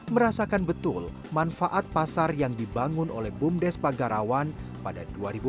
merasakan betul manfaat pasar yang dibangun oleh bumdes pagarawan pada dua ribu empat belas